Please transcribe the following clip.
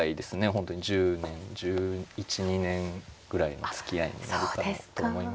本当に１０年１１１２年ぐらいのつきあいになるかなと思いますね。